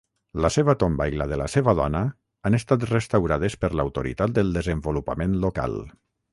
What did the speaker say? La seva tomba, i la de la seva dona, han estat restaurades per l"Autoritat del desenvolupament local.